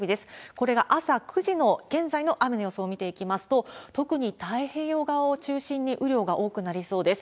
これが朝９時の、現在の雨の予想を見ていきますと、特に太平洋側を中心に雨量が多くなりそうです。